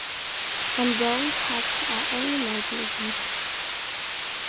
Unboiled hops are only mildly bitter.